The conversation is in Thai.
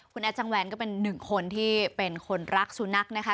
คุณแอดจังแวนก็เป็นหนึ่งคนที่เป็นคนรักสุนัขนะคะ